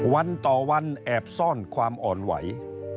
วันต่อวันแอบซ่อนความอ่อนไหว